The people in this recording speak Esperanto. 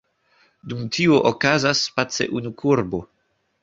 Dum tio okazas space unu kurbo.